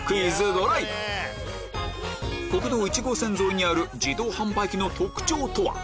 ドライブ国道１号線沿いにある自動販売機の特徴とは？